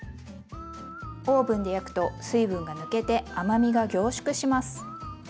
オーブンで焼くと水分が抜けて甘みが凝縮します。